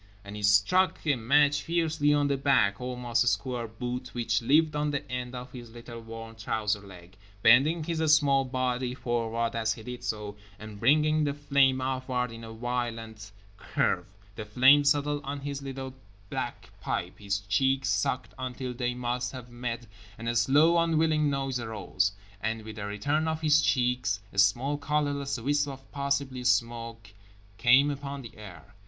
_" And he struck a match fiercely on the black, almost square boot which lived on the end of his little worn trouser leg, bending his small body forward as he did so, and bringing the flame upward in a violent curve. The flame settled on his little black pipe, his cheeks sucked until they must have met, and a slow unwilling noise arose, and with the return of his cheeks a small colorless wisp of possibly smoke came upon the air.